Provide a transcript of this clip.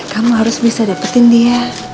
kamu harus bisa dapetin dia